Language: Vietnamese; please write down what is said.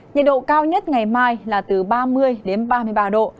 nhiệt độ cao nhất ngày mai là từ ba mươi đến ba mươi ba độ